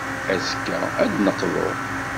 Azekka, ad d-neqḍu.